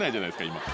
今。